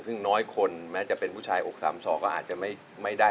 ซึ่งน้อยคนแม้จะเป็นผู้ชายอกสามสองก็อาจจะไม่ได้